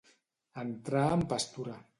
Entrar en pastura.